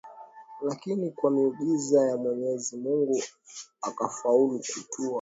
lakini kwa miujiza ya Mwenyezi Mungu akafaulu kutua